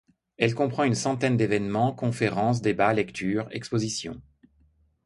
Elle comprend une centaine d'évènements, conférences, débats, lectures, expositions.